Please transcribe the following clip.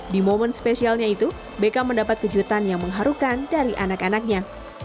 di momen spesialnya itu beckham mendapat kejutan yang mengharukan dari anak anaknya